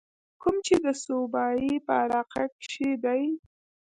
کوم چې د صوابۍ پۀ علاقه کښې دے